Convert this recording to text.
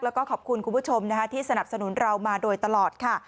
แล้วก็ขอบคุณคุณผู้ชมที่สนับสนุนเรามาโดยตลอดค่ะ